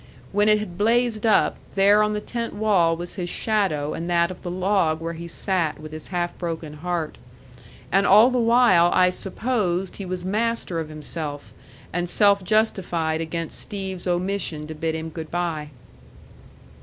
When it had blazed up, there on the tent wall was his shadow and that of the log where he sat with his half broken heart. And all the while I supposed he was master of himself, and self justified against Steve's omission to bid him good by.